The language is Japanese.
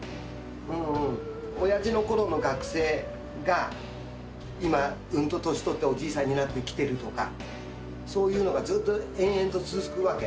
うんうん、おやじのころの学生が今、うんと年取って、おじいさんになって来てるとか、そういうのがずっと永遠と続くわけ。